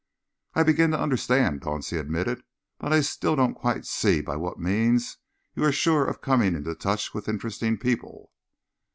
"I begin to understand," Dauncey admitted, "but I still don't quite see by what means you are sure of coming into touch with interesting people."